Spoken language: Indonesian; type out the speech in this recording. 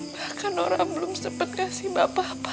bahkan nora belum sempat kasih bapak apa apa